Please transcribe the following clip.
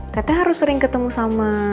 katanya harus sering ketemu sama